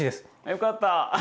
よかった！